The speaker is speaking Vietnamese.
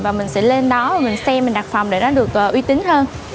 và mình sẽ lên đó và mình xem mình đặt phòng để nó được uy tín hơn